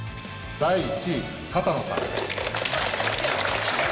第１位片野さん。